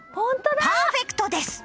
パーフェクトです！